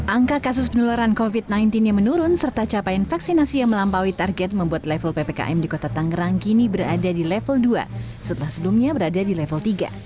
angka kasus penularan covid sembilan belas yang menurun serta capaian vaksinasi yang melampaui target membuat level ppkm di kota tangerang kini berada di level dua setelah sebelumnya berada di level tiga